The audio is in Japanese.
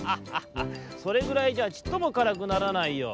それぐらいじゃあちっともからくならないよ。